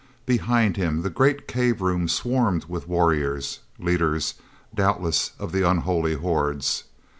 Behind him the great cave room swarmed with warriors, leaders, doubtless, of the unholy hordes.